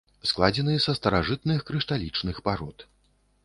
Складзены са старажытных крышталічных парод.